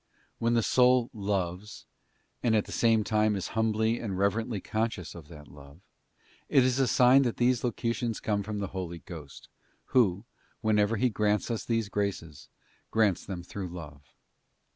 When the soul loves, and at the same time is humbly and reverently conscious of that love, itis a sign that these locutions come from the Holy Ghost, Who, whenever He grants us these graces, grants them through love.